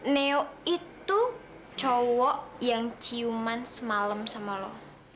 neo itu cowok yang ciuman semalam sama lo